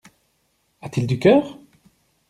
A-t-il du cœur!